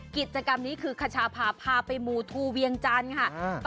กิจกรรมนี้คือขชาพาพาไปมูทูเวียงจันทร์ค่ะ